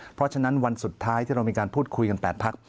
เพราะฉะนั้นวันสุดท้ายที่เรามีการพูดคุยกัน๘พัก